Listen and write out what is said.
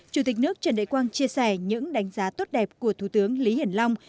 chủ tịch nước trần đại quang chia sẻ những đánh giá tốt đẹp của thủ tướng lý hiển long